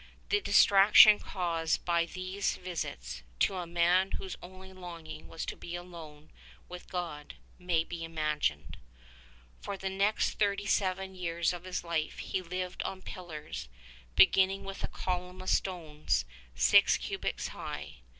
The distraction caused by these visits, to a man whose only longing was to be alone with God, may be imagined. For the next thirty seven years of his life he lived on pillars, beginning with a column of stone six cubits high.